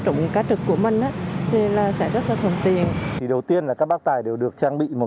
trụng cá trực của mình thì sẽ rất là thuận tiền đầu tiên là các bác tài đều được trang bị một